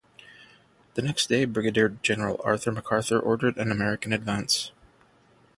The next day, Brigadier General Arthur MacArthur ordered an American advance.